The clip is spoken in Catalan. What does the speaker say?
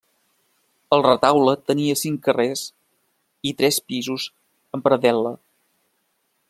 El retaule tenia cinc carrers i tres pisos amb predel·la.